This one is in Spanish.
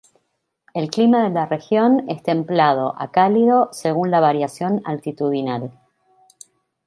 El clima de la región es templado a cálido según la variación altitudinal.